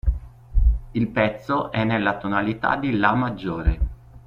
Il pezzo è nella tonalità di La maggiore.